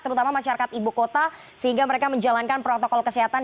terutama masyarakat ibu kota sehingga mereka menjalankan protokol kesehatan